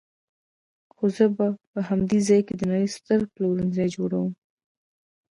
خو زه به په همدې ځای کې د نړۍ ستر پلورنځی جوړوم.